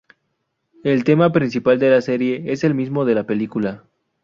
El tema principal de la serie es el mismo de la película.